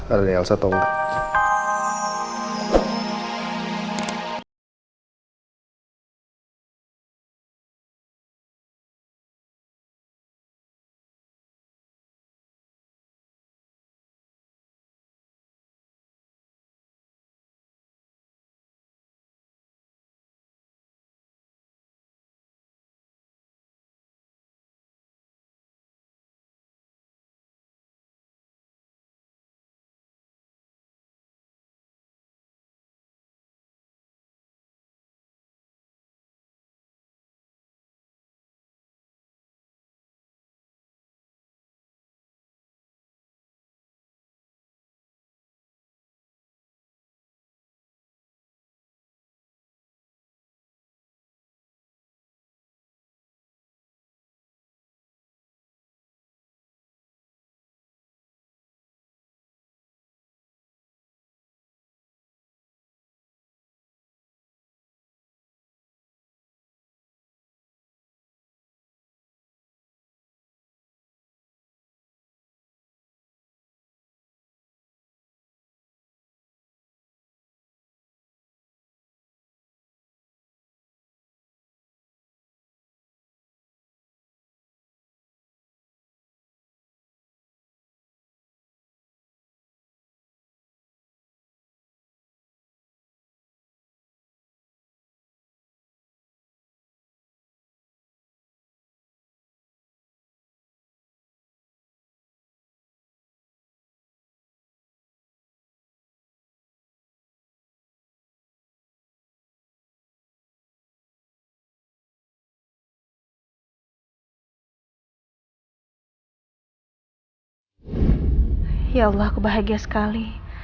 ada yang harus tau